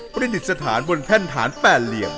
ประดิษฐานบนแท่นฐาน๘เหลี่ยม